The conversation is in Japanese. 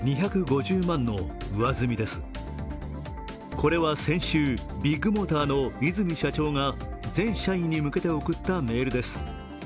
これは先週、ビッグモーター和泉社長が全社員に向けて送ったメールです。